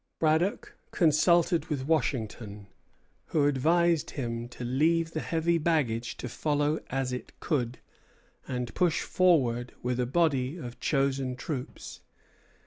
Braddock consulted with Washington, who advised him to leave the heavy baggage to follow as it could, and push forward with a body of chosen troops.